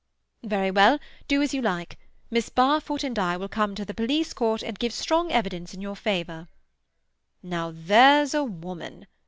"Very well. Do as you like. Miss Barfoot and I will come to the police court and give strong evidence in your favour." "Now there's a woman!"